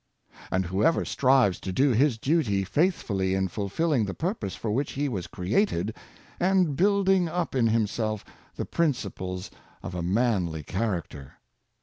And whoever strives to do his duty faithfully is fulfilling the purpose for which he was created, and building up in himself the principles of a manly character.